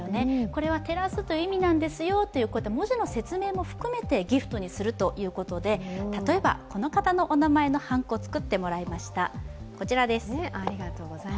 これは照らすという意味なんですよということで文字の説明も含めてギフトにするということで、例えばこの方のお名前のはんこ作ってもらいました。